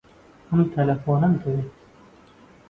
ئەم تەلەفۆنەم دەوێت.